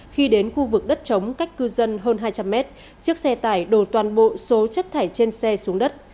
khi đến khu vực đất chống cách cư dân hơn hai trăm linh mét chiếc xe tải đổ toàn bộ số chất thải trên xe xuống đất